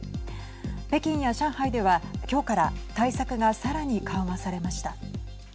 北京や上海では今日から対策が、さらに緩和されました。